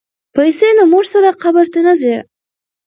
پیسې له موږ سره قبر ته نه ځي.